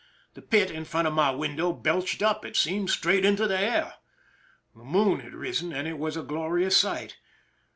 The pit in front of my window belched up, it seemed, straight into the air. The moon had risen, and it was a glorious sight.